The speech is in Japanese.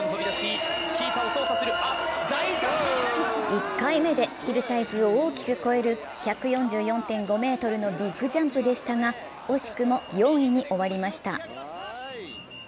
１回目でヒルサイズを大きく超える１４４．５ｍのビッグジャンプでしたが惜しくも４位に終わりました。